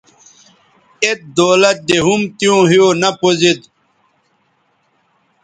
ایت دولت دے ھُم تیوں ھِیو نہ پوزید